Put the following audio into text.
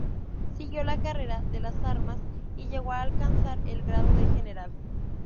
Siguió la carrera de las armas y llegó a alcanzar el grado de general.